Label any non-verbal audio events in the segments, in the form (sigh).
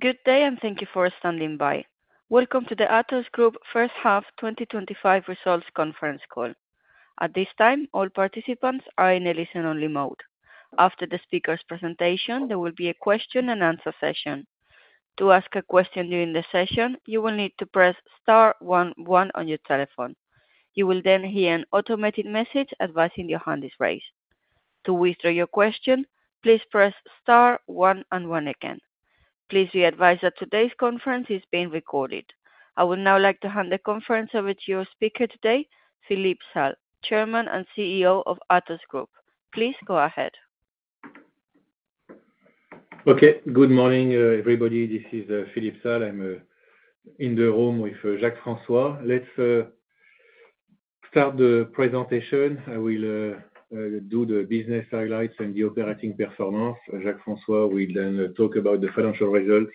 Good day and thank you for standing by. Welcome to the Atos Group First Half 2025 Results Conference Call. At this time, all participants are in a listen-only mode. After the speaker's presentation, there will be a question and answer session. To ask a question during the session, you will need to press *11 on your telephone. You will then hear an automated message advising your hand is raised. To withdraw your question, please press *1 and 1 again. Please be advised that today's conference is being recorded. I would now like to hand the conference over to our speaker today, Philippe Salle, Chairman and CEOof Atos Group. Please go ahead. Okay. Good morning, everybody. This is Philippe Salle. I'm in the room with Jacques-François. Let's start the presentation. I will do the business highlights and the operating performance. Jacques-François will then talk about the financial results,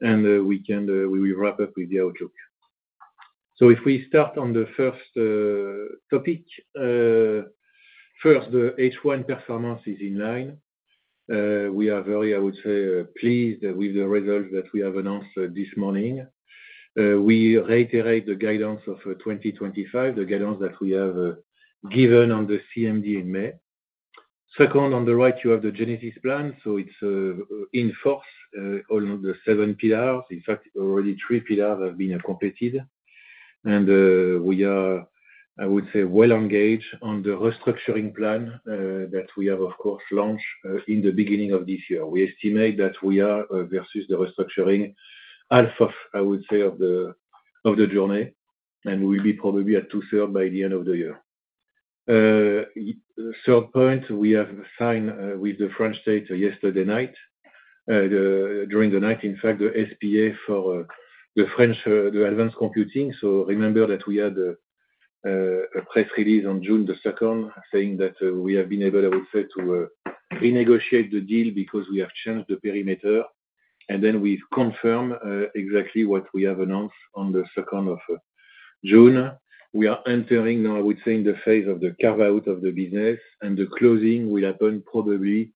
and we will wrap up with the outlook. If we start on the first topic, first, the H1 performance is in line. We are very, I would say, pleased with the results that we have announced this morning. We reiterate the guidance of 2025, the guidance that we have given on the CMD in May. Second, on the right, you have the Genesis Plan. It's in force, all the seven pillars. In fact, already three pillars have been completed. We are, I would say, well engaged on the restructuring plan that we have, of course, launched in the beginning of this year. We estimate that we are, versus the restructuring, at half of, I would say, the journey, and we will be probably at two-thirds by the end of the year. Third point, we have signed with the French state yesterday night. During the night, in fact, the SPA for the French Advanced Computing. Remember that we had a press release on June 2 saying that we have been able, I would say, to renegotiate the deal because we have changed the perimeter. We confirm exactly what we have announced on June 2. We are entering, I would say, in the phase of the carve-out of the business, and the closing will happen probably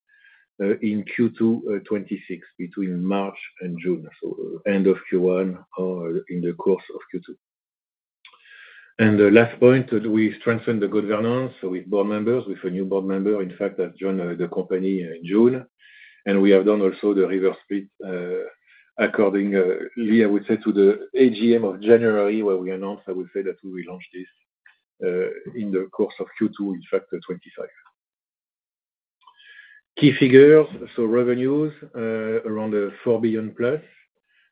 in Q2 2026, between March and June, so end of Q1 or in the course of Q2. The last point, we strengthened the governance with board members, with a new board member, in fact, that joined the company in June. We have done also the reverse split, according, really, I would say, to the AGM of January where we announced, I would say, that we will launch this in the course of Q2, in fact, 2025. Key figures, so revenues around 4 billion plus.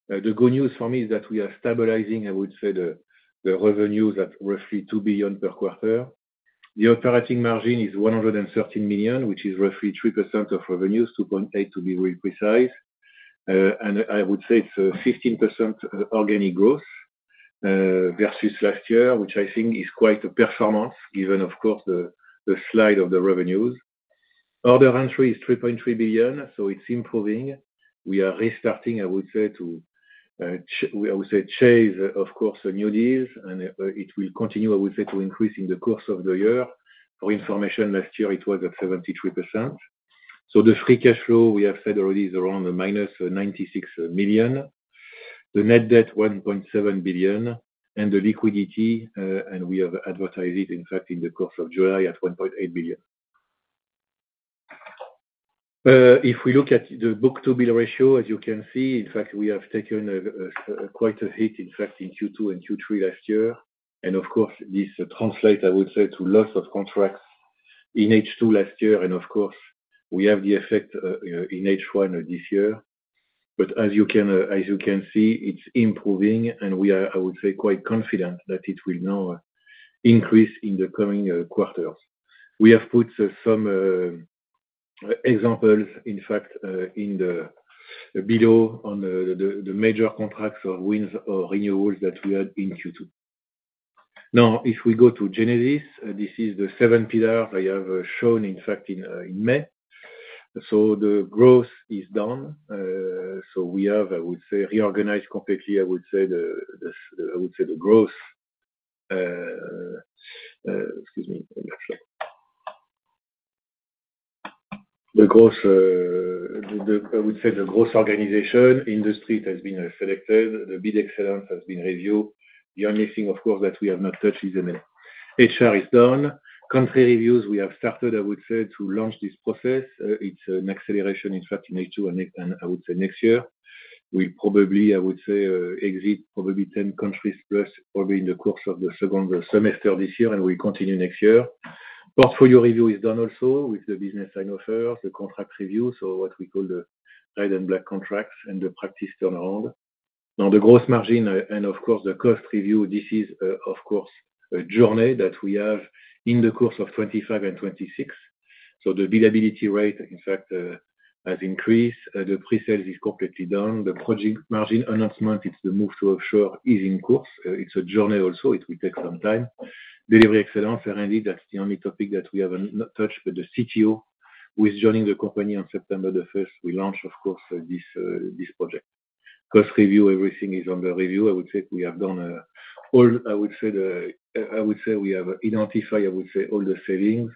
The good news for me is that we are stabilizing, I would say, the revenues at roughly 2 billion per quarter. The operating margin is 113 million, which is roughly 3% of revenues, 2.8% to be very precise. I would say it's a 15% organic growth versus last year, which I think is quite a performance given, of course, the slide of the revenues. Order entry is 3.3 billion, so it's improving. We are restarting, I would say, to chase, of course, new deals, and it will continue, I would say, to increase in the course of the year. For information, last year, it was at 73%. The free cash flow, we have said already, is around -96 million. The net debt, 1.7 billion. The liquidity, and we have advertised it, in fact, in the course of July at 1.8 billion. If we look at the book-to-bill ratio, as you can see, in fact, we have taken quite a hit, in fact, in Q2 and Q3 last year. This translates, I would say, to loss of contracts in H2 last year. We have the effect in H1 this year. As you can see, it's improving, and we are, I would say, quite confident that it will now increase in the coming quarters. We have put some examples, in fact, below on the major contracts or wins or renewals that we had in Q2. If we go to Genesis, this is the seventh pillar I have shown, in fact, in May. The growth is down. We have, I would say, reorganized completely, I would say, the growth. Excuse me. I'm back. I would say the gross organization industry has been selected. The bid excellence has been reviewed. The only thing, of course, that we have not touched is the middle. HR is done. Country reviews, we have started, I would say, to launch this process. It's an acceleration, in fact, in H2, and I would say next year. We'll probably, I would say, exit probably 10 countries plus probably in the course of the second semester this year, and we'll continue next year. Portfolio review is done also with the business side of first, the contract review, so what we call the red and black contracts and the practice turnaround. The gross margin and, of course, the cost review, this is, of course, a journey that we have in the course of 2025 and 2026. The billability rate, in fact, has increased. The pre-sales is completely done. The project margin announcement, it's the move to offshore, is in course. It's a journey also. It will take some time. Delivery excellence, and indeed, that's the only topic that we haven't touched, but the CTO, who is joining the company on September 1, we launch, of course, this project. Cost review, everything is under review. I would say we have done all, I would say, we have identified, I would say, all the savings.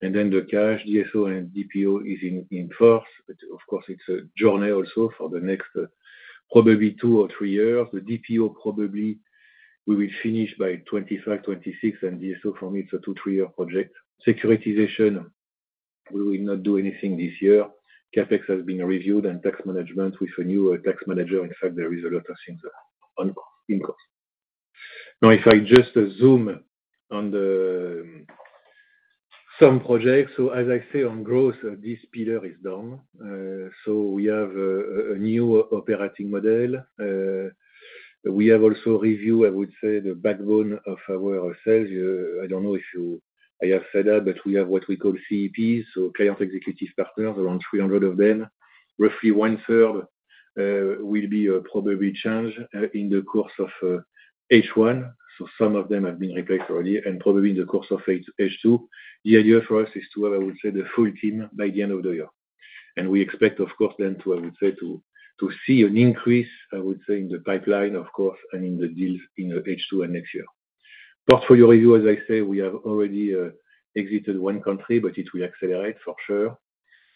Then the cash, DSO, and DPO is in force. It's a journey also for the next probably two or three years. The DPO probably, we will finish by 2025, 2026, and DSO for me, it's a two-three-year project. Securitization, we will not do anything this year. CapEx has been reviewed and tax management with a new tax manager. In fact, there is a lot of things in course. Now, if I just zoom on some projects, as I say, on growth, this pillar is down. We have a new operating model. We have also reviewed, I would say, the backbone of our sales. I don't know if I have said that, but we have what we call CEPs, so Client Executive Partners, around 300 of them. Roughly one-third will be probably changed in the course of H1. Some of them have been replaced already, and probably in the course of H2. The idea for us is to have, I would say, the full team by the end of the year. We expect, of course, then to, I would say, to see an increase, I would say, in the pipeline, of course, and in the deals in H2 and next year. Portfolio review, as I say, we have already exited one country, but it will accelerate for sure.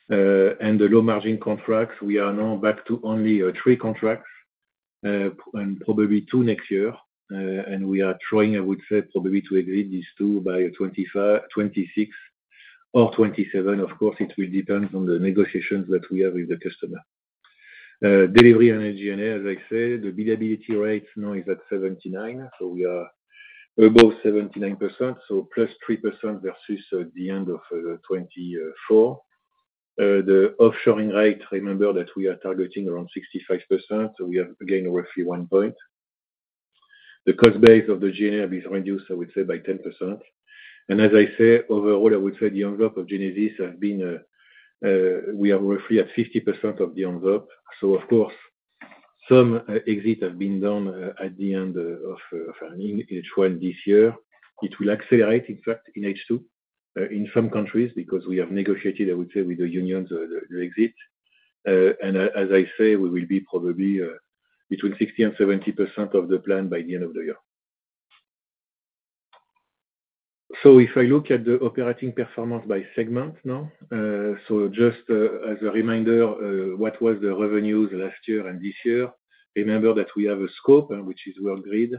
The low-margin contracts, we are now back to only three contracts and probably two next year. We are trying, I would say, probably to exit these two by 2026 or 2027. Of course, it will depend on the negotiations that we have with the customer. Delivery on SG&A, as I say, the billability rate now is at 79%. We are above 79%. Plus 3% versus the end of 2024. The offshoring rate, remember that we are targeting around 65%. We have gained roughly one point. The cost base of the G&A is reduced, I would say, by 10%. As I say, overall, I would say the envelope of Genesis has been, we are roughly at 50% of the envelope. Of course, some exits have been done at the end of H1 this year. It will accelerate, in fact, in H2 in some countries because we have negotiated, I would say, with the unions the exit. As I say, we will be probably between 60% and 70% of the plan by the end of the year. If I look at the operating performance by segment now, just as a reminder, what was the revenues last year and this year? Remember that we have a scope, which is Worldgrid,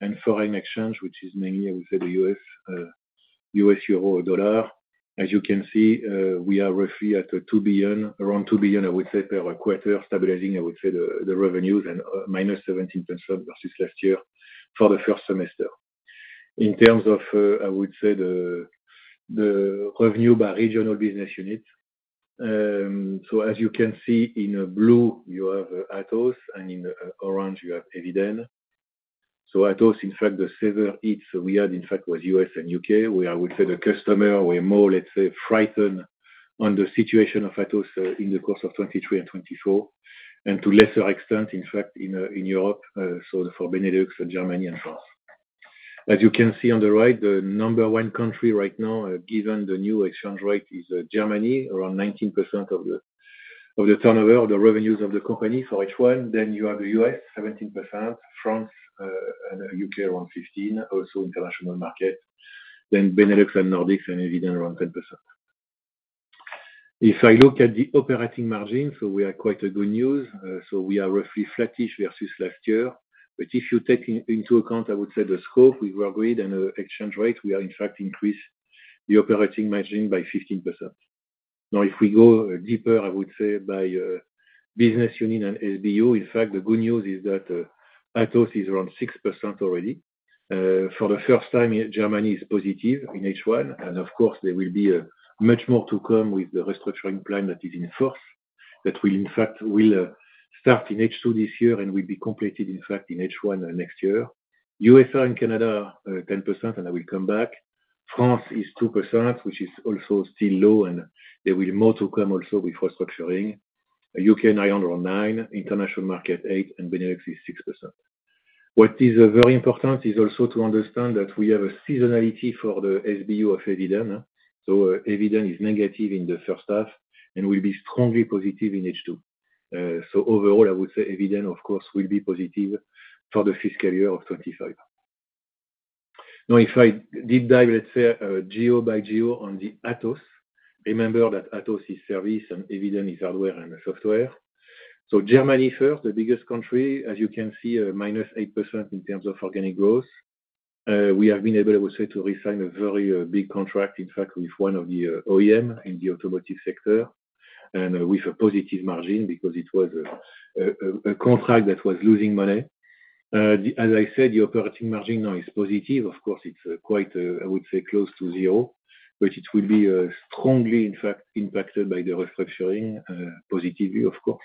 and foreign exchange, which is mainly, I would say, the U.S., U.S. euro, or dollar. As you can see, we are roughly at 2 billion, around 2 billion, I would say, per quarter, stabilizing, I would say, the revenues and minus 17% versus last year for the first semester. In terms of, I would say, the revenue by regional business unit, as you can see, in blue, you have Atos, and in orange, you have Eviden. Atos, in fact, the severe hits we had, in fact, was U.S. and UK. We are, I would say, the customer. We are more, let's say, frightened on the situation of Atos in the course of 2023 and 2024. To a lesser extent, in fact, in Europe, for Benelux, Germany, and France. As you can see on the right, the number one country right now, given the new exchange rate, is Germany, around 19% of the turnover, the revenues of the company for H1. You have the U.S., 17%, France, and the U.K. around 15%, also international market. Benelux and Nordics and Eviden are around 10%. If I look at the operating margins, we have quite a good news. We are roughly flattish versus last year. If you take into account, I would say, the scope with Worldgrid and the exchange rate, we have, in fact, increased the operating margin by 15%. If we go deeper, I would say, by business unit and SBU, the good news is that Atos is around 6% already. For the first time, Germany is positive in H1. There will be much more to come with the restructuring plan that is in force that will, in fact, start in H2 this year and will be completed, in fact, in H1 next year. USA and Canada, 10%, and I will come back. France is 2%, which is also still low, and there will be more to come also with restructuring. U.K. and Ireland around 9%, international market 8%, and Benelux is 6%. What is very important is also to understand that we have a seasonality for the SBU of Eviden. Eviden is negative in the first half and will be strongly positive in H2. Overall, I would say Eviden, of course, will be positive for the fiscal year of 2025. If I deep dive, let's say, geo by geo on Atos, remember that Atos is service and Eviden is hardware and software. Germany first, the biggest country, as you can see, minus 8% in terms of organic growth. We have been able, I would say, to resign a very big contract, in fact, with one of the OEM in the automotive sector and with a positive margin because it was a contract that was losing money. As I said, the operating margin now is positive. Of course, it's quite, I would say, close to zero, but it will be strongly, in fact, impacted by the restructuring positively, of course,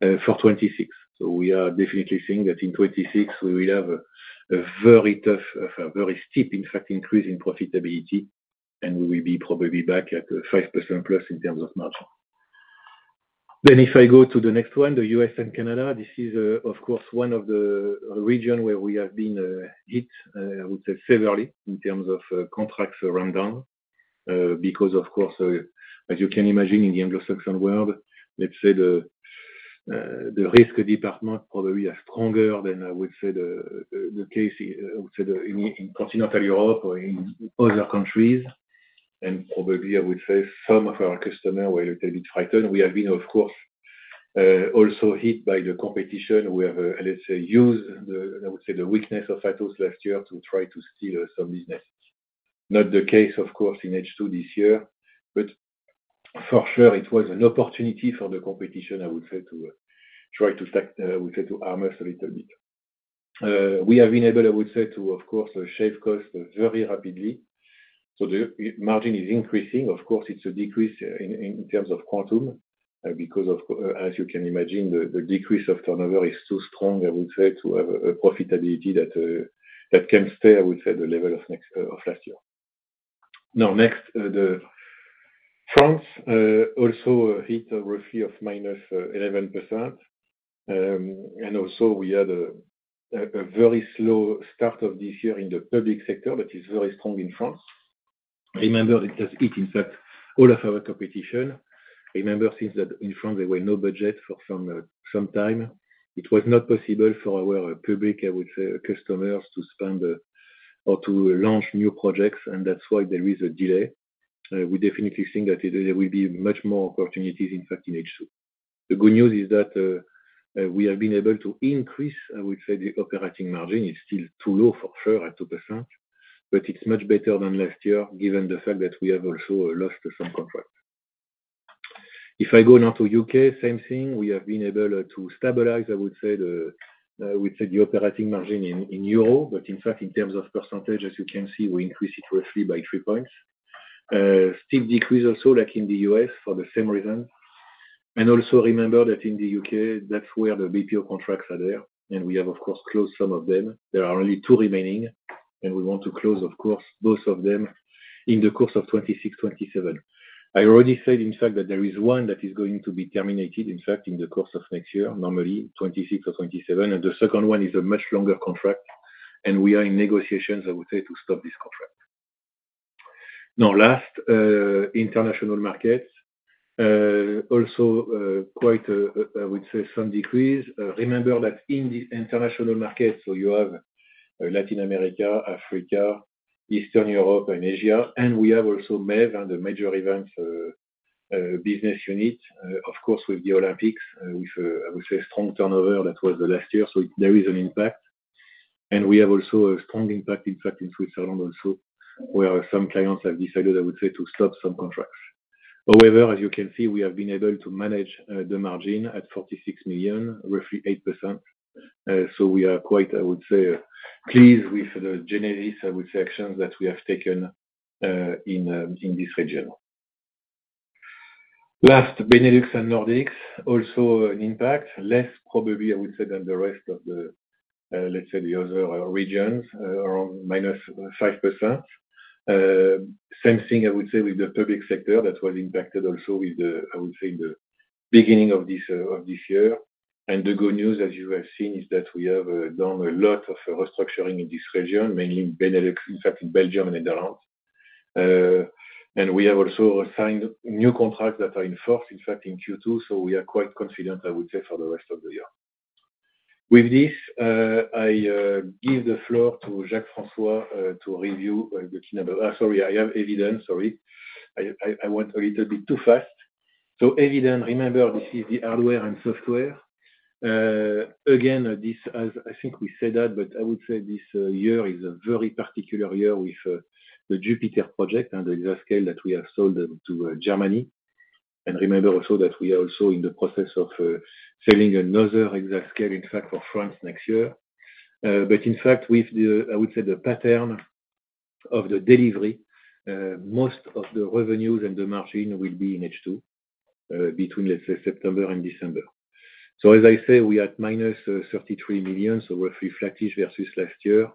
for 2026. We are definitely seeing that in 2026, we will have a very tough, a very steep, in fact, increase in profitability, and we will be probably back at 5% plus in terms of margin. If I go to the next one, the U.S. and Canada, this is, of course, one of the regions where we have been hit, I would say, severely in terms of contracts that went down because, of course, as you can imagine, in the Anglo-Saxon world, let's say the risk department probably is stronger than, I would say, the case in continental Europe or in other countries. Probably, I would say, some of our customers were a little bit frightened. We have been, of course, also hit by the competition. We have, let's say, used, I would say, the weakness of Atos last year to try to steal some business. Not the case, of course, in H2 this year. For sure, it was an opportunity for the competition, I would say, to try to, I would say, to arm us a little bit. We have been able, I would say, to, of course, shave costs very rapidly. The margin is increasing. Of course, it's a decrease in terms of quantum because, as you can imagine, the decrease of turnover is too strong, I would say, to have a profitability that can stay, I would say, at the level of last year. Now, next, France also hit roughly of minus 11%. Also, we had a very slow start of this year in the public sector that is very strong in France. Remember that it hit, in fact, all of our competition. Remember since that in France, there were no budgets for some time. It was not possible for our public, I would say, customers to spend or to launch new projects, and that's why there is a delay. We definitely think that there will be much more opportunities, in fact, in H2. The good news is that we have been able to increase, I would say, the operating margin. It's still too low, for sure, at 2%. It's much better than last year, given the fact that we have also lost some contracts. If I go now to U.K., same thing. We have been able to stabilize, I would say, the operating margin in euro. In fact, in terms of percentage, as you can see, we increased it roughly by three points. Still decrease also, like in the U.S., for the same reason. Also, remember that in the U.K., that's where the BPO contracts are there. We have, of course, closed some of them. There are only two remaining. We want to close, of course, both of them in the course of 2026, 2027. I already said, in fact, that there is one that is going to be terminated, in fact, in the course of next year, normally 2026 or 2027. The second one is a much longer contract. We are in negotiations, I would say, to stop this contract. Now, last, international markets. Also, quite, I would say, some decrease. Remember that in the international markets, you have Latin America, Africa, Eastern Europe, and Asia. We have also MEV and the major events business unit. Of course, with the Olympics, with a strong turnover that was last year, there is an impact. We have also a strong impact, in fact, in Switzerland also, where some clients have decided, I would say, to stop some contracts. However, as you can see, we have been able to manage the margin at 46 million, roughly 8%. We are quite, I would say, pleased with the Genesis, I would say, actions that we have taken in this region. Last, Benelux and Nordics, also an impact. Less probably, I would say, than the rest of the, let's say, the other regions, around minus 5%. Same thing, I would say, with the public sector that was impacted also, I would say, in the beginning of this year. The good news, as you have seen, is that we have done a lot of restructuring in this region, mainly in Benelux, in fact, in Belgium and Netherlands. We have also signed new contracts that are in force, in fact, in Q2. We are quite confident, I would say, for the rest of the year. With this, I give the floor to Jacques-François to review the cleanup. Sorry, I have Eviden. Sorry. I went a little bit too fast. Eviden, remember, this is the hardware and software. Again, this has, I think we said that, but I would say this year is a very particular year with the JUPITER project and the Exascale that we have sold to Germany. Remember also that we are also in the process of selling another Exascale, in fact, for France next year. In fact, with the, I would say, the pattern of the delivery, most of the revenues and the margin will be in H2 between, let's say, September and December. As I say, we had minus 33 million. We're flattish versus last year.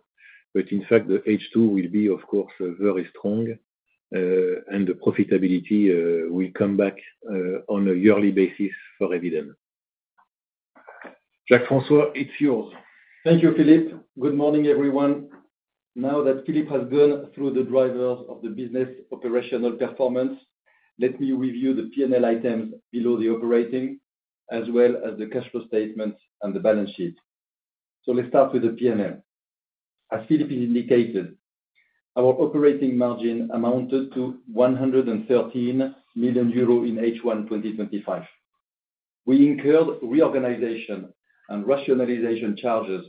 In fact, the H2 will be, of course, very strong. The profitability will come back on a yearly basis for Eviden. Jacques-François, it's yours. Thank you, Philippe. Good morning, everyone. Now that Philippe has gone through the drivers of the business operational performance, let me review the P&L items below the operating as well as the cash flow statement and the balance sheet. Let's start with the P&L. As Philippe has indicated, our operating margin amounted to 113 million euro in H1 2025. We incurred reorganization and rationalization charges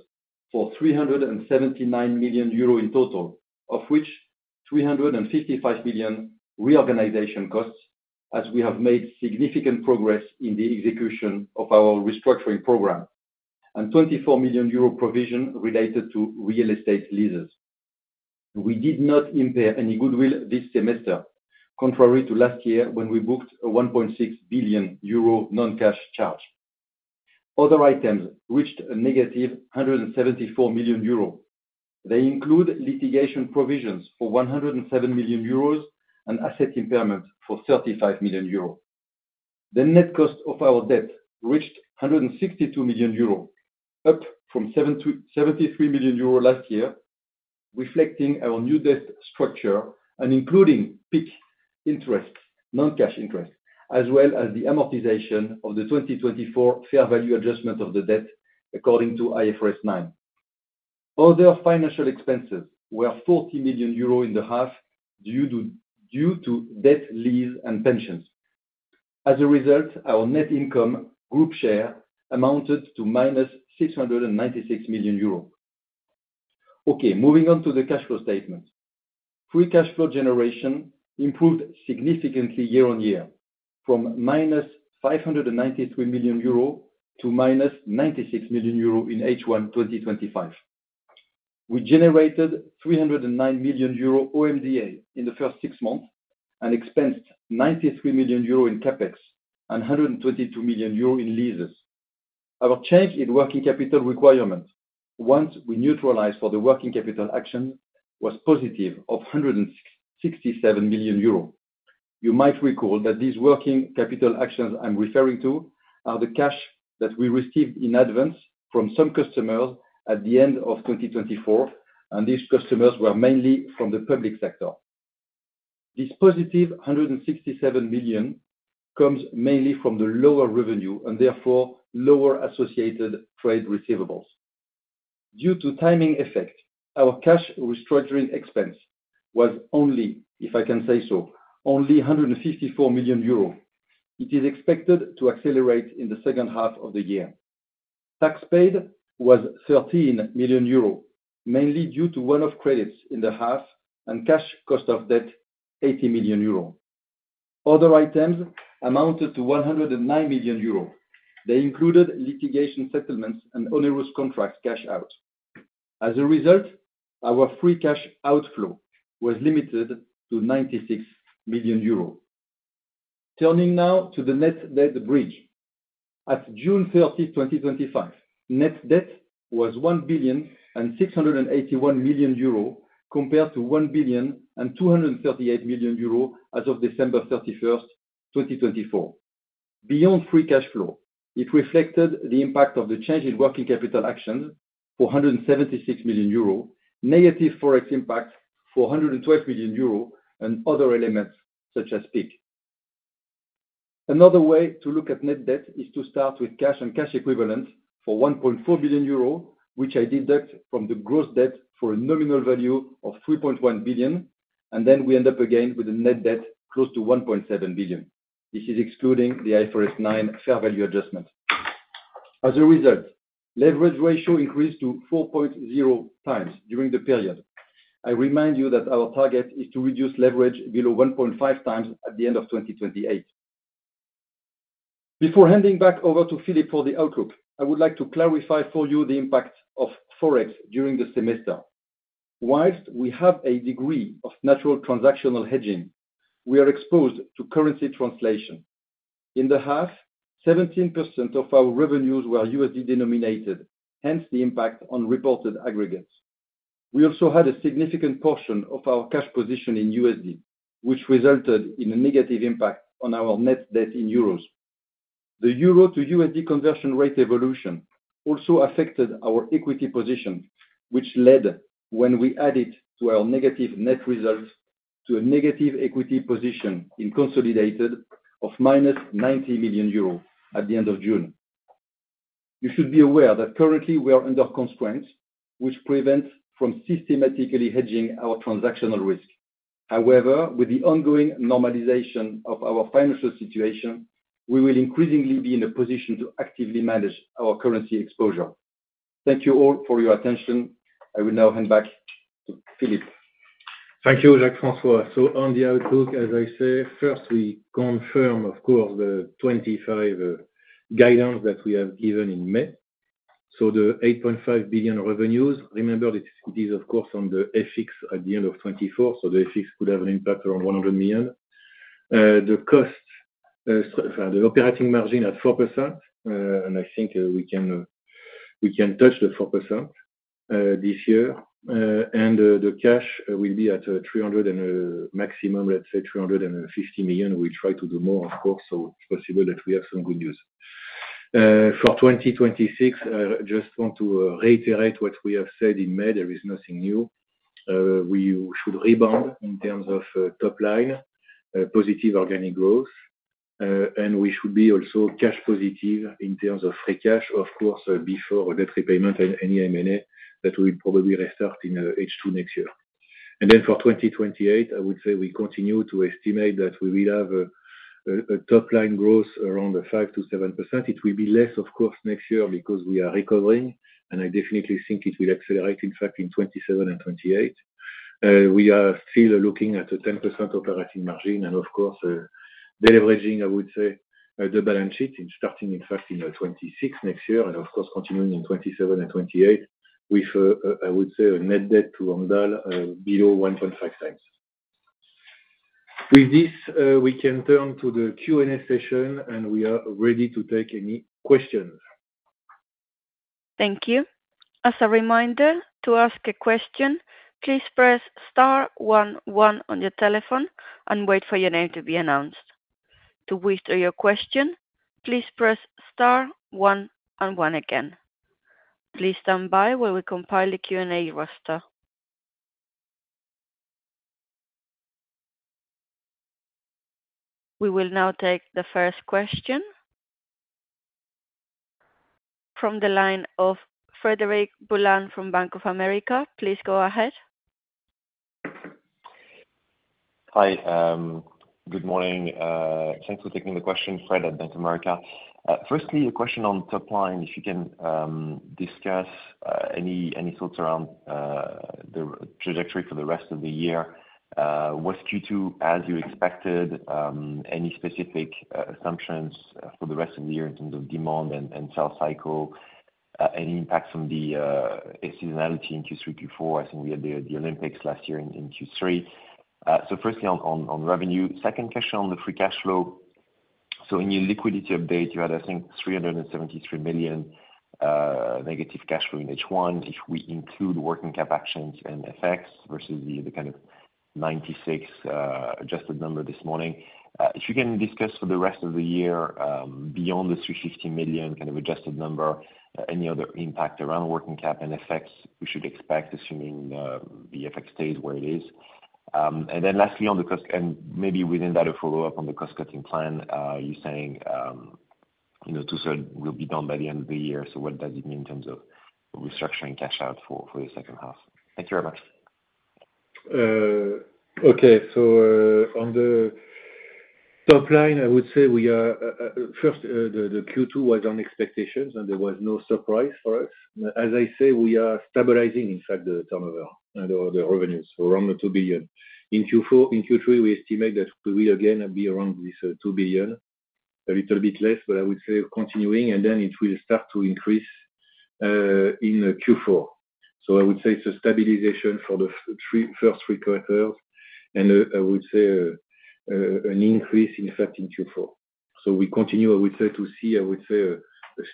for 379 million euro in total, of which 355 million reorganization costs, as we have made significant progress in the execution of our restructuring program, and 24 million euro provision related to real estate leases. We did not impair any goodwill this semester, contrary to last year when we booked a 1.6 billion euro non-cash charge. Other items reached a negative 174 million euro. They include litigation provisions for 107 million euros and asset impairment of 35 million euro. The net cost of our debt reached 162 million euro, up from 73 million euro last year, reflecting our new debt structure and including peak interest, non-cash interest, as well as the amortization of the 2024 fair value adjustment of the debt according to IFRS 9. Other financial expenses were 40 million euro in the half due to debt leave and pensions. As a result, our net income group share amounted to minus 696 million euros. Moving on to the cash flow statement. Free cash flow generation improved significantly year on year from minus 593 million euro to minus 96 million euro in H1 2025. We generated 309 million euro OMDA in the first six months and expensed 93 million euro in CapEx and 122 million euro in leases. Our change in working capital requirements, once we neutralized for the working capital action, was positive of 167 million euros. You might recall that these working capital actions I'm referring to are the cash that we received in advance from some customers at the end of 2024, and these customers were mainly from the public sector. This positive 167 million comes mainly from the lower revenue and therefore lower associated trade receivables. Due to timing effect, our cash restructuring expense was only, if I can say so, only 154 million euros. It is expected to accelerate in the second half of the year. Tax paid was 13 million euro, mainly due to one-off credits in the half and cash cost of debt 80 million euro. Other items amounted to 109 million euro. They included litigation settlements and onerous contracts cash out. As a result, our free cash outflow was limited to 96 million euros. Turning now to the net debt bridge. At June 30, 2025, net debt was 1,681 million euro compared to 1,238 million euro as of December 31, 2024. Beyond free cash flow, it reflected the impact of the change in working capital actions for 176 million euros, negative forex impact for 112 million euros, and other elements such as peak. Another way to look at net debt is to start with cash and cash equivalent for 1.4 billion euro, which I deduct from the gross debt for a nominal value of 3.1 billion. We end up again with a net debt close to 1.7 billion. This is excluding the IFRS 9 fair value adjustment. As a result, leverage ratio increased to 4.0x during the period. I remind you that our target is to reduce leverage below 1.5x at the end of 2028. Before handing back over to Philippe for the outlook, I would like to clarify for you the impact of forex during the semester. Whilst we have a degree of natural transactional hedging, we are exposed to currency translation. In the half, 17% of our revenues were USD denominated, hence the impact on reported aggregates. We also had a significant portion of our cash position in USD, which resulted in a negative impact on our net debt in euros. The euro to USD conversion rate evolution also affected our equity position, which led, when we add it to our negative net results, to a negative equity position in consolidated of minus 90 million euros at the end of June. You should be aware that currently we are under constraints, which prevent from systematically hedging our transactional risk. However, with the ongoing normalization of our financial situation, we will increasingly be in a position to actively manage our currency exposure. Thank you all for your attention. I will now hand back to Philippe. Thank you, Jacques-François. On the outlook, as I say, first, we confirm, of course, the 2025 guidance that we have given in May. The 8.5 billion revenues, remember that it is, of course, on the FX at the end of 2024. The FX would have an impact around 100 million. The cost, the operating margin at 4%, and I think we can touch the 4% this year. The cash will be at 300 million and maximum, let's say, 350 million. We'll try to do more, of course, so it's possible that we have some good news. For 2026, I just want to reiterate what we have said in May. There is nothing new. We should rebound in terms of top line, positive organic growth. We should be also cash positive in terms of free cash, of course, before debt repayment and any M&A that we probably restart in H2 next year. For 2028, I would say we continue to estimate that we will have a top line growth around 5% to 7%. It will be less, of course, next year because we are recovering. I definitely think it will accelerate, in fact, in 2027 and 2028. We are still looking at a 10% operating margin. Of course, deleveraging, I would say, the balance sheet starting, in fact, in 2026 next year, and continuing in 2027 and 2028 with, I would say, a net debt to EBITDA below 1.5x. With this, we can turn to the Q&A session and we are ready to take any questions. Thank you. As a reminder, to ask a question, please press *11 on your telephone and wait for your name to be announced. To withdraw your question, please press *1 and 1 again. Please stand by while we compile the Q&A roster. We will now take the first question from the line of Frédéric Boulan from Bank of America. Please go ahead. Hi. Good morning. Thanks for taking the question, Fréd, at Bank of America. Firstly, a question on the top line. If you can discuss any thoughts around the trajectory for the rest of the year. Was Q2 as you expected? Any specific assumptions for the rest of the year in terms of demand and sales cycle? Any impacts from the seasonality in Q3, Q4? I think we had the Olympics last year in Q3. Firstly, on revenue. Second question on the free cash flow. In your liquidity update, you had, I think, 373 million negative cash flow in H1 if we include working cap actions and FX versus the kind of 96 million adjusted number this morning. If you can discuss for the rest of the year beyond the 350 million kind of adjusted number, any other impact around working cap and FX we should expect, assuming the FX stays where it is? Lastly, on the cost, and maybe within that, a follow-up on the cost-cutting plan, you're saying two-thirds will be done by the end of the year. What does it mean in terms of restructuring cash out for the second half? Thank you very much. Okay. On the top line, I would say we are, first, the Q2 was on expectations and there was no surprise for us. As I say, we are stabilizing, in fact, the turnover and the revenues around the 2 billion. In Q3, we estimate that we will again be around this 2 billion, a little bit less, but I would say continuing, and it will start to increase in Q4. I would say it's a stabilization for the first three quarters, and I would say an increase, in fact, in Q4. We continue to see a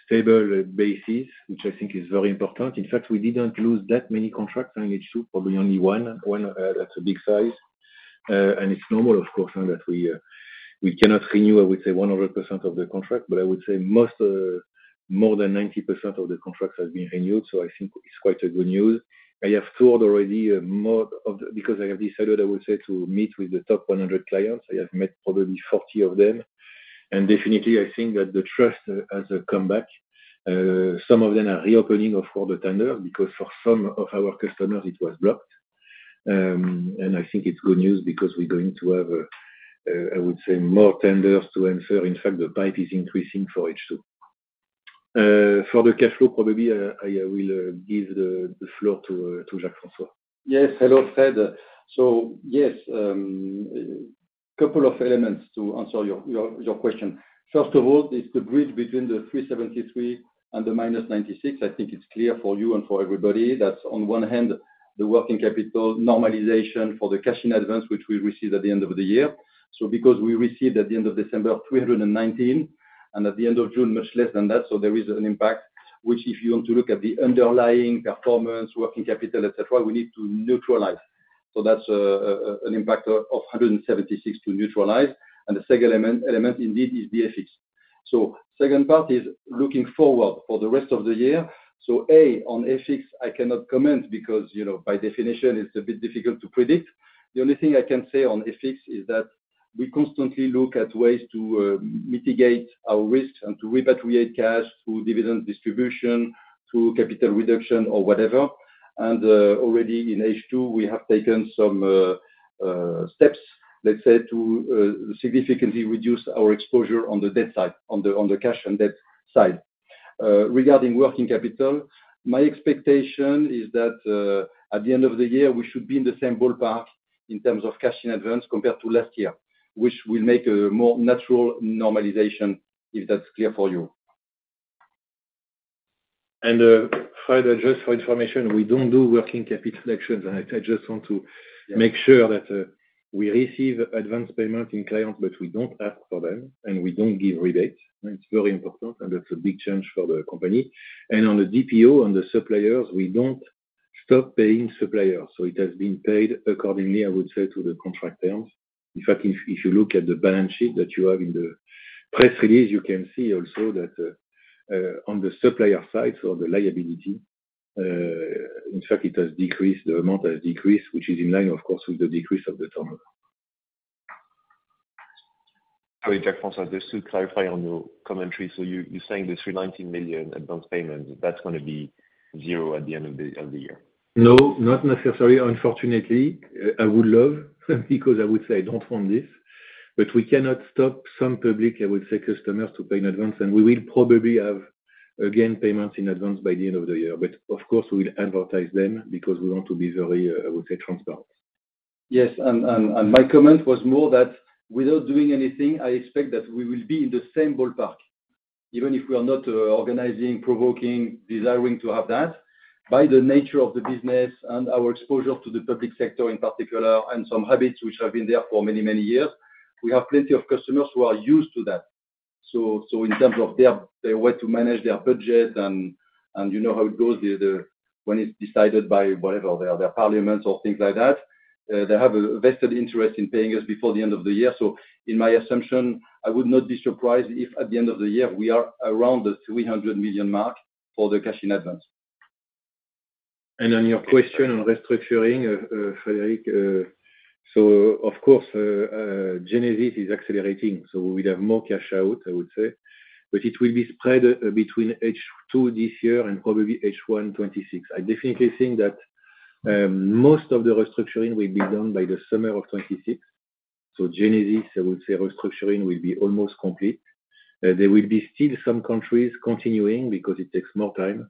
stable basis, which I think is very important. In fact, we didn't lose that many contracts in H2, probably only one. One that's a big size. It's normal, of course, that we cannot renew 100% of the contracts. Most, more than 90% of the contracts have been renewed. I think it's quite good news. I have toured already more of the, because I have decided to meet with the top 100 clients. I have met probably 40 of them. Definitely, I think that the trust has come back. Some of them are reopening the tenders because for some of our customers, it was blocked. I think it's good news because we're going to have more tenders to answer. In fact, the pipe is increasing for H2. For the cash flow, probably I will give the floor to Jacques-François. Yes. Hello, Fréd. Yes, a couple of elements to answer your question. First of all, it's the bridge between the 373 million and the minus 96 million. I think it's clear for you and for everybody that on one hand, the working capital normalization for the cash in advance, which we received at the end of the year. Because we received at the end of December 319 million and at the end of June, much less than that, there is an impact, which if you want to look at the underlying performance, working capital, etc., we need to neutralize. That's an impact of 176 million to neutralize. The second element, indeed, is the FX. The second part is looking forward for the rest of the year. On FX, I cannot comment because, you know, by definition, it's a bit difficult to predict. The only thing I can say on FX is that we constantly look at ways to mitigate our risk and to repatriate cash through dividend distribution, through capital reduction, or whatever. Already in H2, we have taken some steps, let's say, to significantly reduce our exposure on the debt side, on the cash and debt side. Regarding working capital, my expectation is that at the end of the year, we should be in the same ballpark in terms of cash in advance compared to last year, which will make a more natural normalization, if that's clear for you. Fréd, just for information, we don't do working capital actions. I just want to make sure that we receive advance payment in clients, but we don't ask for them and we don't give rebates. It's very important, and that's a big change for the company. On the DPO and the suppliers, we don't stop paying suppliers. It has been paid accordingly, I would say, to the contract terms. In fact, if you look at the balance sheet that you have in the press release, you can see also that on the supplier side, so the liability, in fact, it has decreased. The amount has decreased, which is in line, of course, with the decrease of the turnover. Sorry, Jacques-François, just to clarify on your commentary. You're saying the 319 million advance payment, that's going to be zero at the end of the year? No, not necessarily. Unfortunately, I would love because I would say I don't want this. We cannot stop some public, I would say, customers to pay in advance. We will probably have again payments in advance by the end of the year. Of course, we will advertise them because we want to be very, I would say, transparent. Yes. My comment was more that without doing anything, I expect that we will be in the same ballpark, even if we are not organizing, provoking, desiring to have that. By the nature of the business and our exposure to the public sector in particular and some habits which have been there for many, many years, we have plenty of customers who are used to that. In terms of their way to manage their budgets and you know how it goes when it's decided by whatever, their parliament or things like that, they have a vested interest in paying us before the end of the year. In my assumption, I would not be surprised if at the end of the year, we are around the 300 million mark for the cash in advance. On your question on restructuring, Frédéric, Genesis is accelerating. We will have more cash out, I would say, but it will be spread between H2 this year and probably H1 2026. I definitely think that most of the restructuring will be done by the summer of 2026. Genesis restructuring will be almost complete. There will still be some countries continuing because it takes more time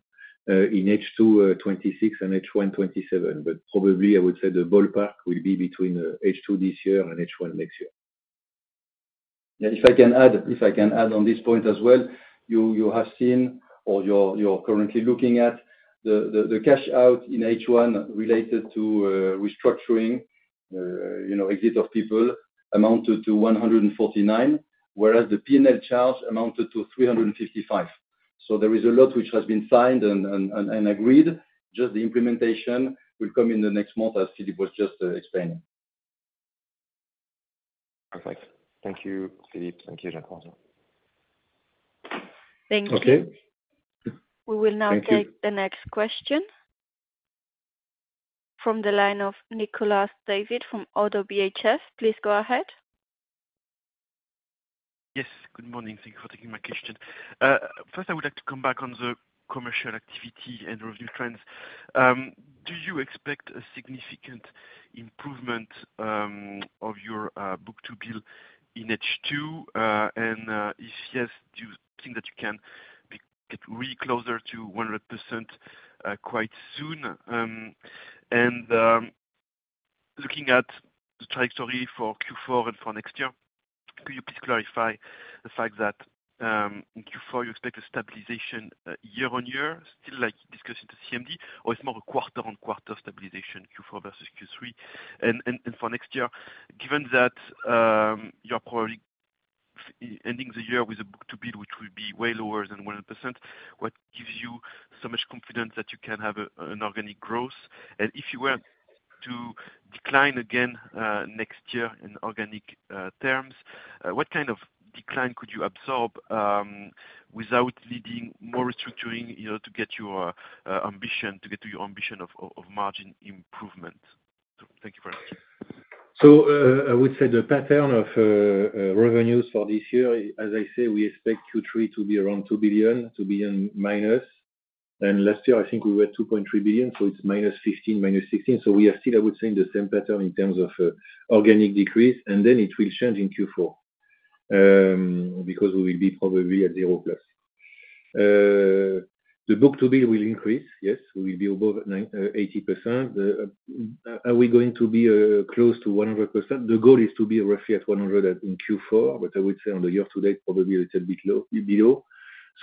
in H2 2026 and H1 2027. I would say the ballpark will be between H2 this year and H1 next year. If I can add on this point as well, you have seen or you're currently looking at the cash out in H1 related to restructuring exit of people amounted to 149 million, whereas the P&L charge amounted to 355 million. There is a lot which has been signed and agreed. Just the implementation will come in the next month, as Philippe was just explaining. Perfect. Thank you, Philippe. Thank you, Jacques-François. Okay. Thank you. We will now take the next question from the line of Nicolas David from ODDO BHF. Please go ahead. Yes. Good morning. Thank you for taking my question. First, I would like to come back on the commercial activity and revenue trends. Do you expect a significant improvement of your book-to-bill in H2? If yes, do you think that you can get really closer to 100% quite soon? Looking at the trajectory for Q4 and for next year, could you please clarify the fact that in Q4, you expect a stabilization year on year, still like you discussed with the CMD, or it's more a quarter on quarter stabilization, Q4 versus Q3? For next year, given that you're probably ending the year with a book-to-bill which will be way lower than 100%, what gives you so much confidence that you can have an organic growth? If you were to decline again next year in organic terms, what kind of decline could you absorb without needing more restructuring to get your ambition, to get to your ambition of margin improvement? Thank you very much. I would say the pattern of revenues for this year, as I say, we expect Q3 to be around $2 billion, $2 billion minus. Last year, I think we were $2.3 billion, so it's minus 15 million, 16 million. We are still, I would say, in the same pattern in terms of organic decrease. It will change in Q4 because we will be probably at zero plus. The book-to-bill will increase, yes. We will be above 80%. Are we going to be close to 100%? The goal is to be roughly at 100% in Q4, but I would say on the year-to-date, probably a little bit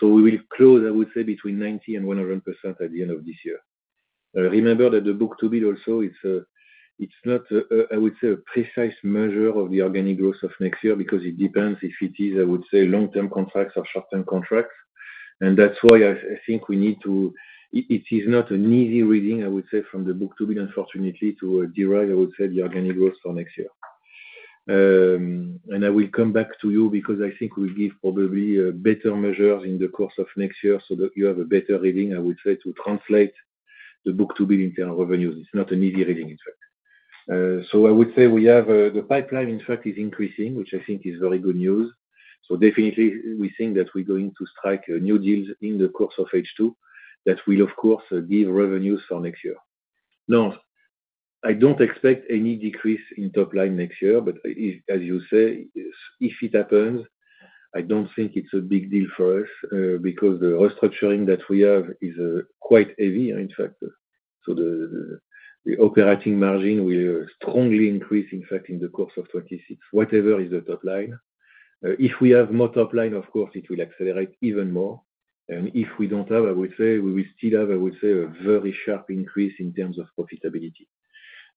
low. We will close, I would say, between 90% and 100% at the end of this year. Remember that the book-to-bill also, it's not, I would say, a precise measure of the organic growth of next year because it depends if it is, I would say, long-term contracts or short-term contracts. That's why I think we need to, it is not an easy reading, I would say, from the book-to-bill, unfortunately, to derive, I would say, the organic growth for next year. I will come back to you because I think we'll give probably a better measure in the course of next year so that you have a better reading, I would say, to translate the book-to-bill into our revenues. It's not an easy reading, in fact. I would say we have the pipeline, in fact, is increasing, which I think is very good news. Definitely, we think that we're going to strike new deals in the course of H2 that will, of course, give revenues for next year. Now, I don't expect any decrease in top line next year, but as you say, if it happens, I don't think it's a big deal for us because the restructuring that we have is quite heavy, in fact. The operating margin will strongly increase, in fact, in the course of 2026, whatever is the top line. If we have more top line, of course, it will accelerate even more. If we don't have, I would say, we will still have, I would say, a very sharp increase in terms of profitability.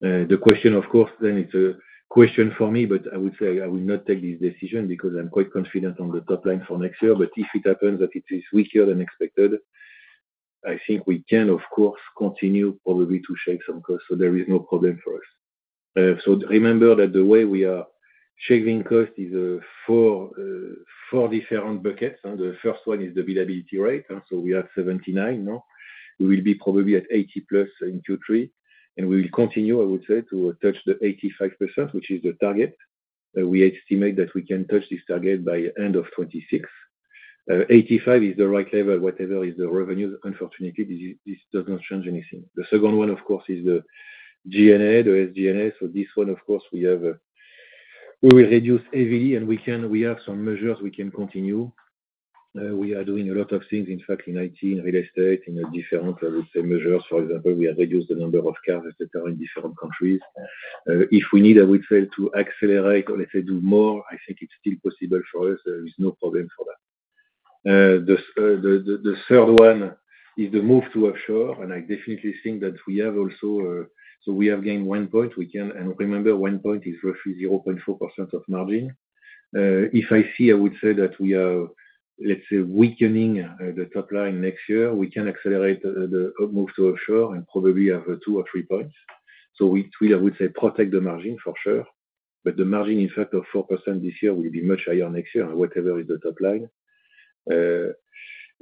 The question, of course, then it's a question for me, but I would say I will not take this decision because I'm quite confident on the top line for next year. If it happens that it is weaker than expected, I think we can, of course, continue probably to shave some costs. There is no problem for us. Remember that the way we are shaving costs is four different buckets. The first one is the billability rate. We have 79% now. We will be probably at 80% plus in Q3. We will continue, I would say, to touch the 85%, which is the target. We estimate that we can touch this target by the end of 2026. 85 is the right level, whatever is the revenue. Unfortunately, this does not change anything. The second one, of course, is the G&A to SG&A. We will reduce heavily, and we have some measures we can continue. We are doing a lot of things, in fact, in IT, in real estate, in different measures. For example, we have reduced the number of cars, etc., in different countries. If we need to accelerate or, let's say, do more, I think it's still possible for us. There is no problem for that. The third one is the move to offshore. I definitely think that we have also gained one point. Remember, one point is roughly 0.4% of margin. If I see that we are weakening the top line next year, we can accelerate the move to offshore and probably have two or three points. We will protect the margin for sure. The margin, in fact, of 4% this year will be much higher next year, whatever is the top line.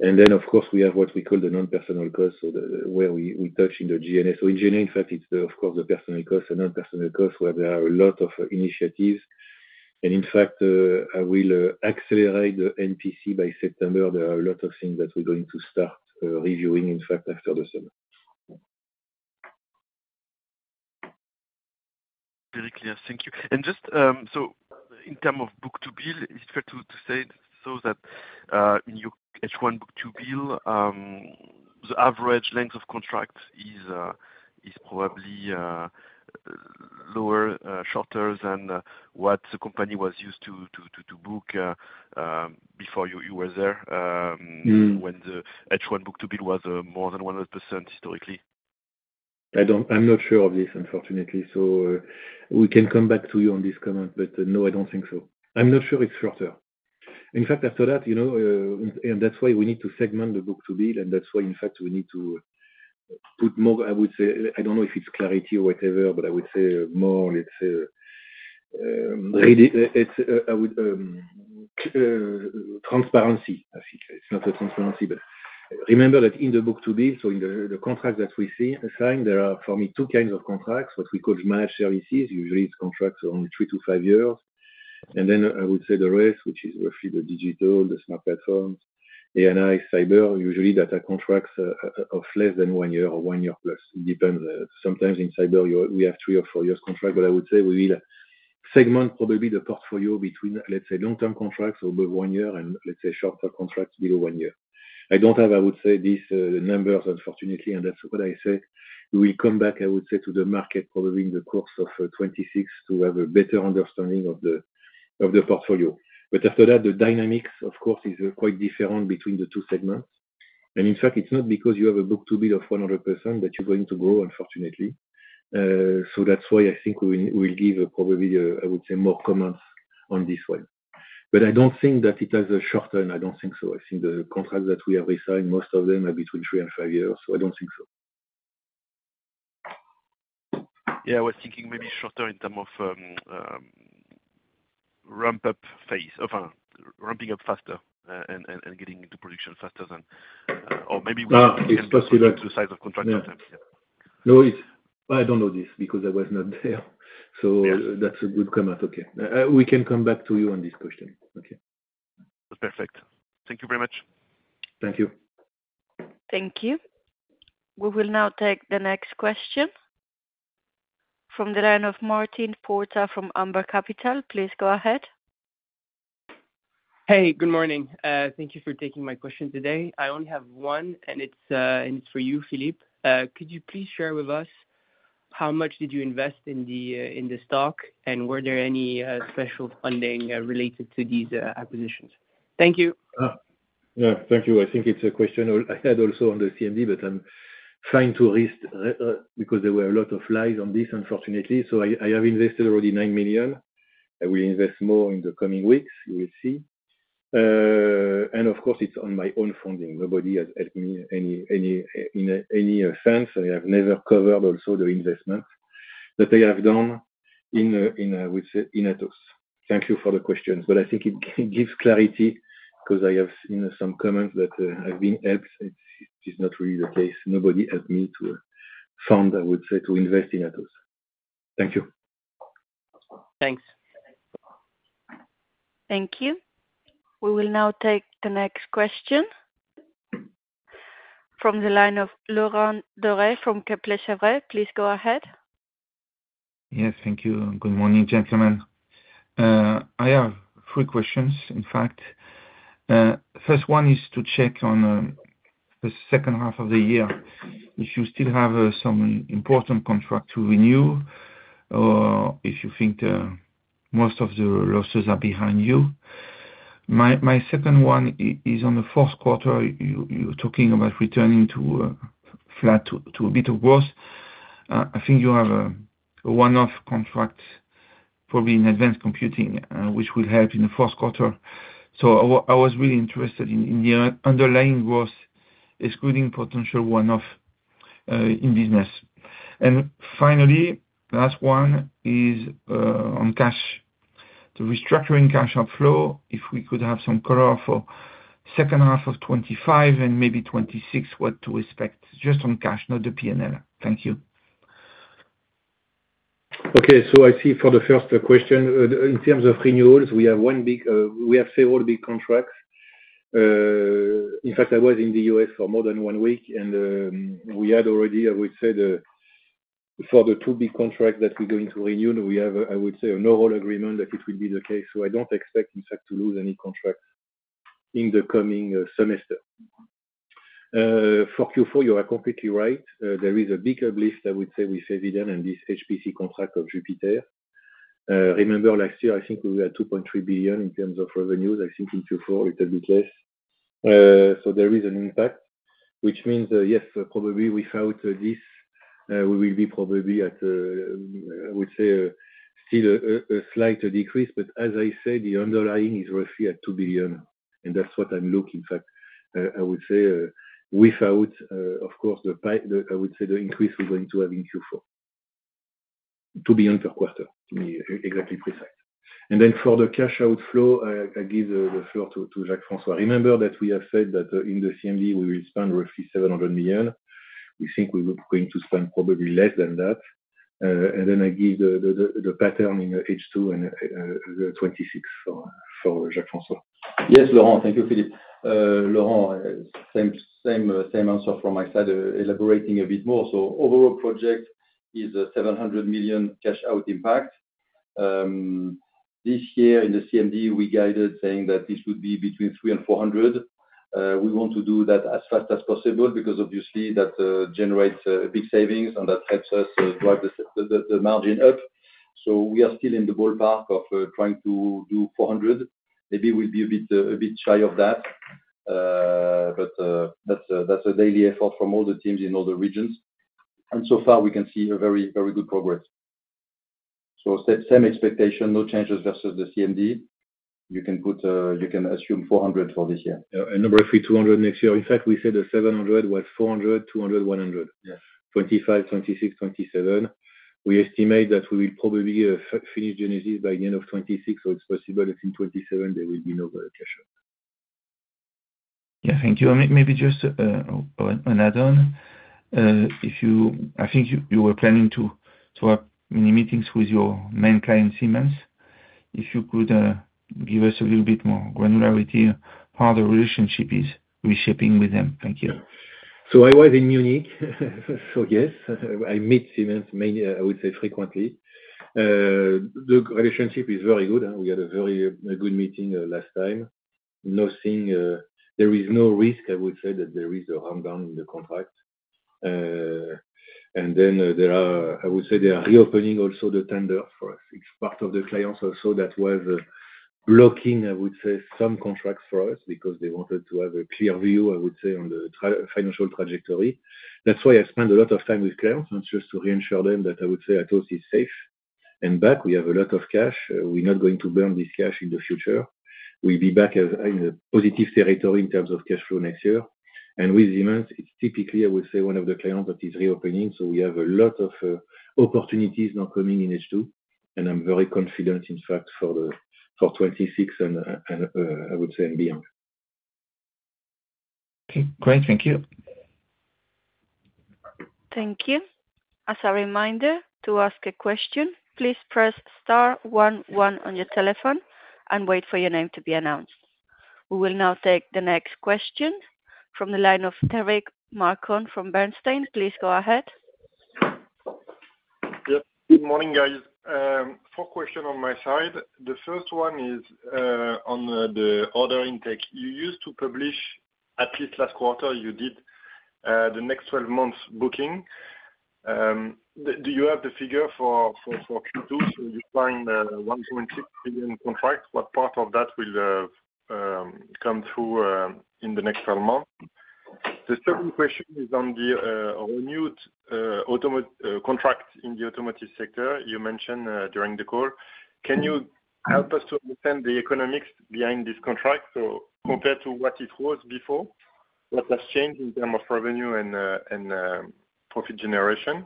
Then, of course, we have what we call the non-personnel costs, where we touch in the G&A. In SG&A, in fact, it's the personnel costs, the non-personnel costs where there are a lot of initiatives. I will accelerate the NPC by September. There are a lot of things that we're going to start reviewing after the summer. Very clear. Thank you. In terms of book-to-bill, is it fair to say that in your H1 book-to-bill, the average length of contract is probably lower, shorter than what the company was used to book before you were there when the H1 book-to-bill was more than 100% historically? I'm not sure of this, unfortunately. We can come back to you on this comment, but no, I don't think so. I'm not sure it's shorter. In fact, after that, you know, that's why we need to segment the book-to-bill. That's why, in fact, we need to put more, I would say, I don't know if it's clarity or whatever, but I would say more, let's say, transparency. It's not a transparency, but remember that in the book-to-bill, so in the contracts that we see assigned, there are, for me, two kinds of contracts, what we call managed services. Usually, it's contracts around three to five years. I would say the rest, which is roughly the digital, the smart platforms, AI, cyber, usually data contracts of less than one year or one year plus. It depends. Sometimes in cyber, we have three or four years contracts. I would say we will segment probably the portfolio between, let's say, long-term contracts over one year and, let's say, shorter contracts below one year. I don't have, I would say, this number, unfortunately, and that's what I said. We will come back, I would say, to the market probably in the course of 2026 to have a better understanding of the portfolio. After that, the dynamics, of course, are quite different between the two segments. In fact, it's not because you have a book-to-bill of 100% that you're going to go, unfortunately. I think we will give probably, I would say, more comments on this one. I don't think that it has a shorter and I don't think so. I think the contracts that we have resigned, most of them are between three and five years. I don't think so. I was thinking maybe shorter in terms of ramping up faster and getting into production faster than, or maybe it's possible that the size of contract sometimes. No worries. I don't know this because I was not there. That's a good comment. We can come back to you on this question. Perfect. Thank you very much. Thank you. Thank you. We will now take the next question from the line of Martin Porta from Amber Capital. Please go ahead. Hey, good morning. Thank you for taking my question today. I only have one, and it's for you, Philippe. Could you please share with us how much did you invest in the stock, and were there any threshold funding related to these acquisitions? Thank you. Thank you. I think it's a question I had also on the CMD, but I'm trying to risk because there were a lot of lies on this, unfortunately. I have invested already 9 million. I will invest more in the coming weeks. We will see. Of course, it's on my own funding. Nobody has helped me in any sense. I have never covered also the investments that I have done in, I would say, in Atos. Thank you for the questions. I think it gives clarity because I have seen some comments that I've been helped. It is not really the case. Nobody helped me to fund, I would say, to invest in Atos. Thank you. Thanks. Thank you. We will now take the next question from the line of Laurent Daure from Kepler Cheuvreux. Please go ahead. Yes, thank you. Good morning, gentlemen. I have three questions, in fact. The first one is to check on the second half of the year. If you still have some important contracts to renew or if you think most of the losses are behind you. My second one is on the fourth quarter. You're talking about returning to flat to a bit of growth. I think you have a one-off contract probably in Advanced Computing, which will help in the fourth quarter. I was really interested in the underlying growth, excluding potential one-off in business. Finally, the last one is on cash. The restructuring cash outflow, if we could have some color for the second half of 2025 and maybe 2026, what to expect? Just on cash, not the P&L. Thank you. Okay. I see for the first question, in terms of renewals, we have one big, we have several big contracts. In fact, I was in the U.S. for more than one week, and we had already, I would say, for the two big contracts that we're going to renew, we have, I would say, a no-roll agreement that it will be the case. I don't expect, in fact, to lose any contracts in the coming semester. For Q4, you are completely right. There is a big uplift, I would say, with Eviden and this HPC contract of JUPITER. Remember last year, I think we were at 2.3 billion in terms of revenues. I think in Q4, a little bit less. There is an impact, which means, yes, probably without this, we will be probably at, I would say, still a slight decrease. As I said, the underlying is roughly at 2 billion. That's what I look, in fact, I would say, without, of course, the increase we're going to have in Q4. EUR 2 billion per quarter, exactly precise. For the cash outflow, I give the floor to Jacques-François. Remember that we have said that in the CMD, we will spend roughly 700 million. We think we're going to spend probably less than that. I give the pattern in H2 and the 2026 for, Jacques-François. Yes, Laurent. Thank you, Philippe. Laurent, same answer for my side, elaborating a bit more. The overall project is a 700 million cash out impact. This year in the CMD, we guided saying that this would be between 300 million and 400 million. We want to do that as fast as possible because obviously that generates a big saving and that helps us drive the margin up. We are still in the ballpark of trying to do 400 million. Maybe we'll be a bit shy of that. That's a daily effort from all the teams in all the regions. So far, we can see very, very good progress. Same expectation, no changes versus the CMD. You can assume 400 million for this year. Roughly 200 million next year. In fact, we said the 700 million was 400 million, 200 million, EUR 100 million. Yes, 2025, 2026, 2027. We estimate that we will probably finish Genesis by the end of 2026, so it's possible that in 2027, there will be no cash out. Thank you. Maybe just an add-on. I think you were planning to have many meetings with your main client, Siemens. If you could give us a little bit more granularity on how the relationship is reshaping with them. Thank you. I was in Munich. Yes, I met Siemens frequently. The relationship is very good. We had a very good meeting last time. There is no risk that there is a rundown in the contract. They are reopening also the tender for part of the clients that was blocking some contracts for us because they wanted to have a clear view on the financial trajectory. That's why I spend a lot of time with clients, not just to reassure them that Atos is safe and back. We have a lot of cash. We're not going to burn this cash in the future. We'll be back in a positive territory in terms of cash flow next year. With Siemens, it's typically one of the clients that is reopening. We have a lot of opportunities now coming in H2. I'm very confident, in fact, for 2026 and beyond. Okay. Great. Thank you. Thank you. As a reminder, to ask a question, please press *11 on your telephone and wait for your name to be announced. We will now take the next question from the line of Derric Marcon from Bernstein. Please go ahead. Good morning, guys. Four questions on my side. The first one is on the order intake. You used to publish, at least last quarter, you did the next 12 months booking. Do you have the figure for Q2? You planned 1.6 billion contracts. What part of that will come through in the next 12 months? The second question is on the renewed contract in the automotive sector you mentioned during the call. Can you help us to understand the economics behind this contract? Compared to what it was before, what has changed in terms of revenue and profit generation?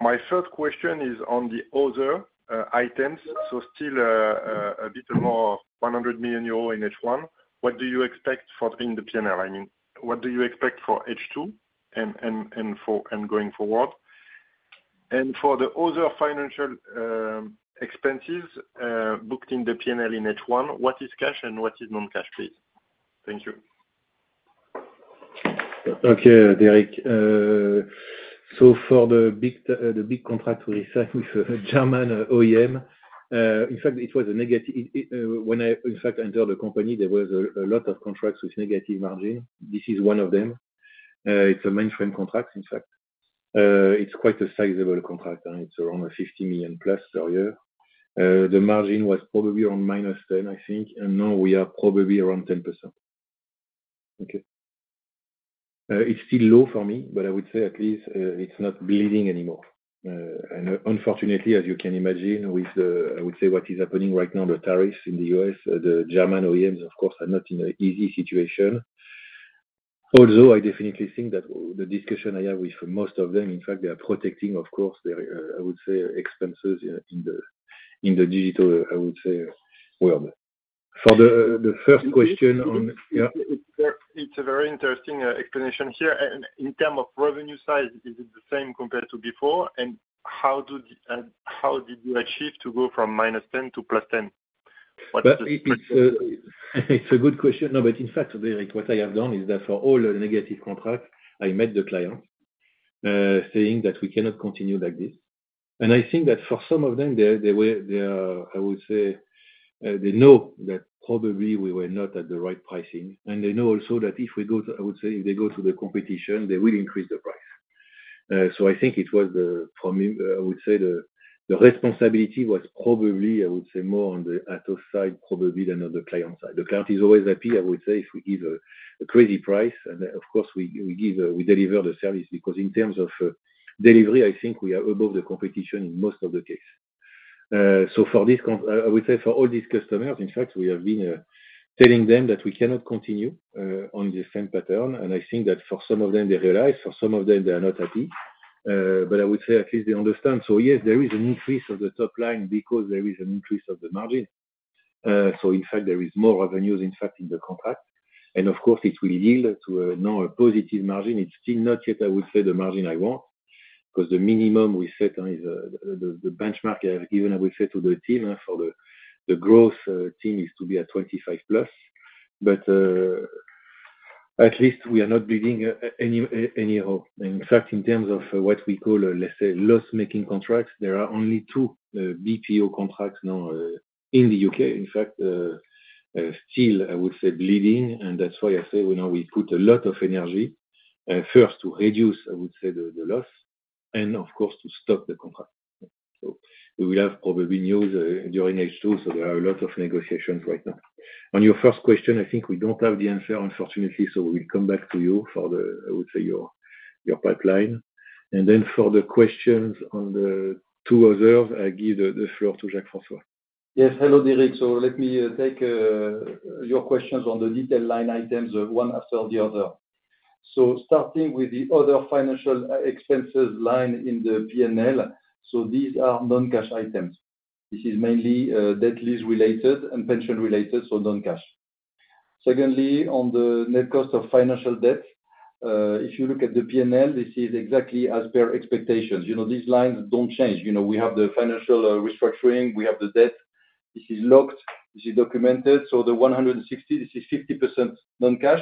My third question is on the other items. Still a bit more than 100 million euro in H1. What do you expect for the P&L? I mean, what do you expect for H2 and going forward? For the other financial expenses booked in the P&L in H1, what is cash and what is non-cash, please? Thank you. Okay, Derric. For the big contract to resign with a German OEM, in fact, it was a negative. When I entered the company, there were a lot of contracts with negative margin. This is one of them. It's a management contract, in fact. It's quite a sizable contract. It's around 50 million plus per year. The margin was probably on minus 10%, I think. Now we are probably around 10%. It's still low for me, but I would say at least it's not bleeding anymore. Unfortunately, as you can imagine, with what is happening right now, the tariffs in the U.S., the German OEMs, of course, are not in an easy situation. Although I definitely think that the discussion I have with most of them, in fact, they are protecting, of course, expenses in the digital world. For the first question, yeah, (crosstalk) it's a very interesting explanation here. In terms of revenue size, is it the same compared to before? How did you achieve to go from minus 10% to plus 10%? It's a good question. No, but in fact, Derric, what I have done is that for all the negative contracts, I met the client saying that we cannot continue like this. I think that for some of them, they were, I would say, they know that probably we were not at the right pricing. They know also that if we go, I would say, if they go to the competition, they will increase the price. I think it was the, I would say, the responsibility was probably, I would say, more on the Atos side, probably than on the client side. The client is always happy, I would say, if we give a crazy price. Of course, we deliver the service because in terms of delivery, I think we are above the competition in most of the cases. For this, I would say, for all these customers, in fact, we have been telling them that we cannot continue on the same pattern. I think that for some of them, they realize. For some of them, they are not happy. I would say at least they understand. Yes, there is an increase of the top line because there is an increase of the margin. In fact, there is more revenues, in fact, in the contract. Of course, it will yield to now a positive margin. It's still not yet, I would say, the margin I want because the minimum we set is the benchmark I have given, I would say, to the team for the growth team is to be at 25% plus. At least we are not bleeding any road. In fact, in terms of what we call, let's say, loss-making contracts, there are only two business process outsourcing contracts now in the U.K. In fact, still, I would say, bleeding. That's why I say we put a lot of energy first to reduce, I would say, the loss and, of course, to stop the contract. We will have probably news during H2. There are a lot of negotiations right now. On your first question, I think we don't have the answer, unfortunately. We'll come back to you for the, I would say, your pipeline. For the questions on the two others, I give the floor to Jacques-François. Yes. Hello, Derric. Let me take your questions on the detailed line items, one after the other. Starting with the other financial expenses line in the P&L, these are non-cash items. This is mainly debt lease-related and pension-related, so non-cash. Secondly, on the net cost of financial debt, if you look at the P&L, this is exactly as per expectations. You know, these lines don't change. You know, we have the financial restructuring. We have the debt. This is locked. This is documented. The 160 million, this is 50% non-cash,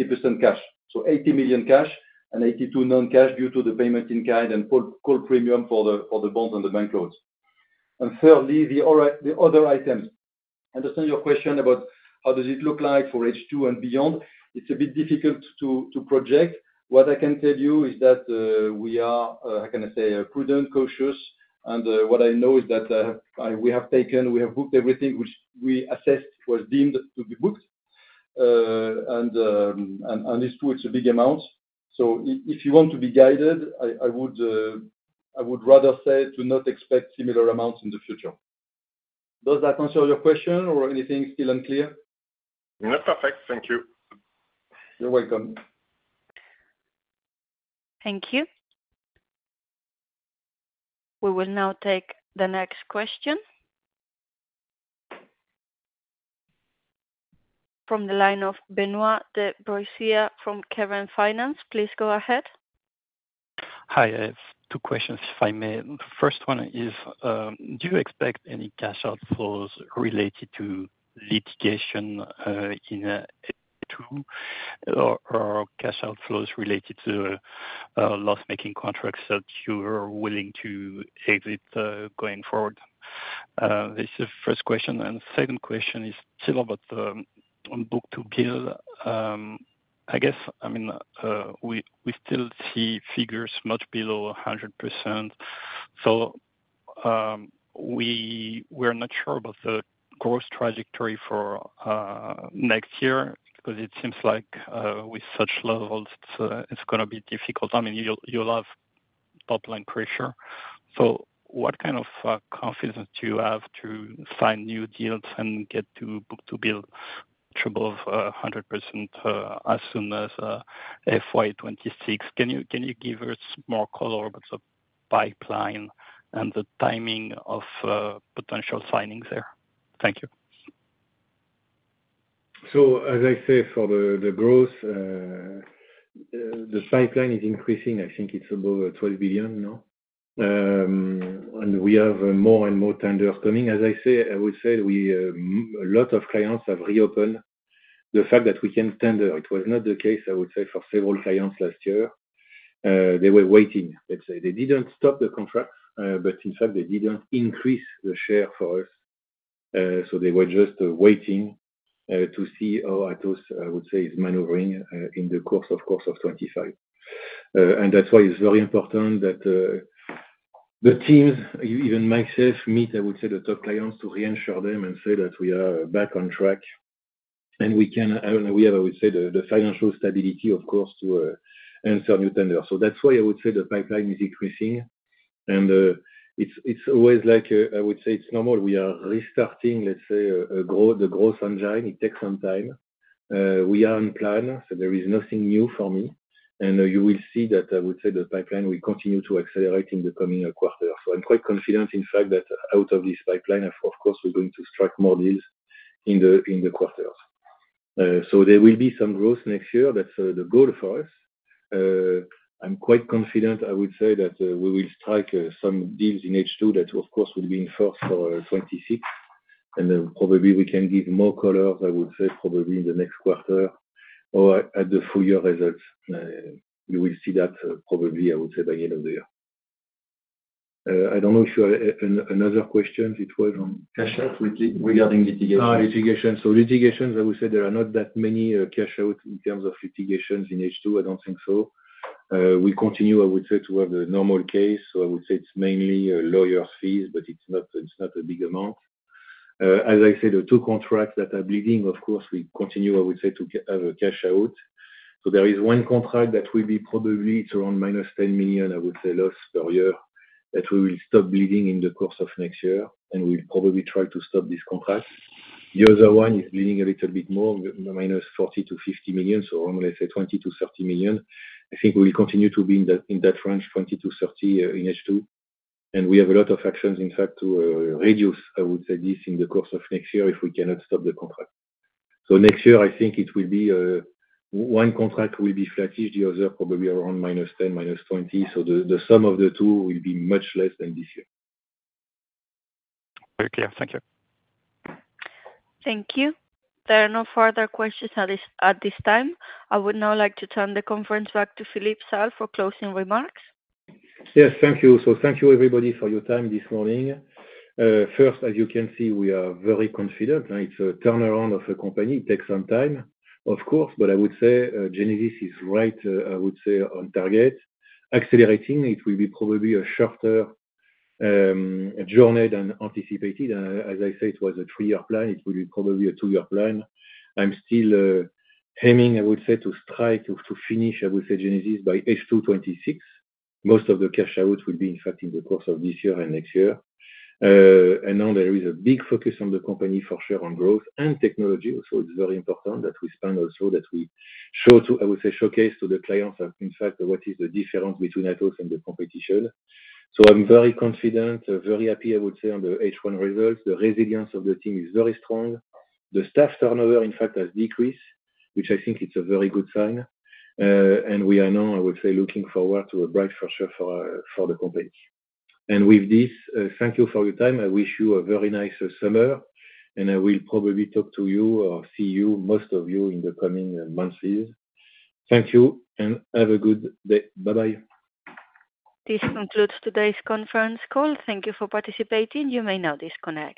50% cash. 80 million cash and 82 million non-cash due to the payment in kind and call premium for the bonds and the bank loans. Thirdly, the other items. I understand your question about how does it look like for H2 and beyond. It's a bit difficult to project. What I can tell you is that we are, how can I say, prudent, cautious. What I know is that we have taken, we have booked everything which we assessed was deemed to be booked. H2, it's a big amount. If you want to be guided, I would rather say to not expect similar amounts in the future. Does that answer your question or anything still unclear? No, perfect. Thank you. You're welcome. Thank you. We will now take the next question from the line of Benoît de Broissia from Keren Finance. Please go ahead. Hi. I have two questions, if I may. The first one is, do you expect any cash outflows related to litigation in H2 or cash outflows related to loss-making contracts that you were willing to exit going forward? This is the first question. The second question is still about the book-to-bill. I guess we still see figures much below 100%. We're not sure about the growth trajectory for next year because it seems like with such levels, it's going to be difficult. You'll have top line pressure. What kind of confidence do you have to sign new deals and get to book-to-bill to above 100% as soon as FY 2026? Can you give us more color about the pipeline and the timing of potential signings there? Thank you. As I say, for the growth, the pipeline is increasing. I think it's about 12 billion now, and we have more and more tenders coming. As I said, a lot of clients have reopened. The fact that we can tender, it was not the case for several clients last year. They were waiting. They didn't stop the contract, but in fact, they didn't increase the share for us. They were just waiting to see how Atos is maneuvering in the course of 2025. That's why it's very important that the teams, even myself, meet the top clients to reassure them and say that we are back on track. We have the financial stability to answer new tenders. That's why the pipeline is increasing. It's normal. We are restarting the growth engine. It takes some time. We are on plan. There is nothing new for me. You will see that the pipeline will continue to accelerate in the coming quarter. I'm quite confident that out of this pipeline, we're going to strike more deals in the quarters. There will be some growth next year. That's the goal for us. I'm quite confident that we will strike some deals in H2 that would be enforced for 2026. Probably we can give more color, probably in the next quarter or at the full year results. You will see that probably by the end of the year. I don't know if you had another question. It was on. Cash out regarding litigation. (crosstalk) Litigation. So litigations, I would say, there are not that many cash outs in terms of litigations in H2. I don't think so. We continue, I would say, to have a normal case. I would say it's mainly lawyer fees, but it's not a big amount. As I said, the two contracts that are bleeding, of course, we continue, I would say, to have a cash out. There is one contract that will be probably around minus 10 million, I would say, loss per year that we will stop bleeding in the course of next year. We'll probably try to stop these contracts. The other one is bleeding a little bit more, minus 40 million to 50 million. Around, let's say, 20 million to 30 million. I think we will continue to be in that range, 20 million to 30 million in H2. We have a lot of actions, in fact, to reduce, I would say, this in the course of next year if we cannot stop the contract. Next year, I think it will be one contract will be flattish, the other probably around minus 10 million, minus 20 million. The sum of the two will be much less than this year. Very clear. Thank you. Thank you. There are no further questions at this time. I would now like to turn the conference back to Philippe Salle for closing remarks. Yes, thank you. Thank you, everybody, for your time this morning. First, as you can see, we are very confident. It's a turnaround of a company. It takes some time, of course, but I would say Genesis is right, I would say, on target. Accelerating, it will be probably a shorter journey than anticipated. As I said, it was a three-year plan. It will be probably a two-year plan. I'm still aiming, I would say, to strike or to finish, I would say, Genesis by H2 2026. Most of the cash out would be, in fact, in the course of this year and next year. There is a big focus on the company for share on growth and technology. It's very important that we spend also, that we show to, I would say, showcase to the clients, in fact, what is the difference between Atos and the competition. I'm very confident, very happy, I would say, on the H1 results. The resilience of the team is very strong. The staff turnover, in fact, has decreased, which I think is a very good sign. We are now, I would say, looking forward to a bright future for the company. With this, thank you for your time. I wish you a very nice summer. I will probably talk to you or see you, most of you, in the coming months. Thank you and have a good day. Bye-bye. This concludes today's conference call. Thank you for participating. You may now disconnect.